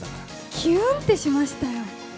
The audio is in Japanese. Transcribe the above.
きゅんってしましたよ。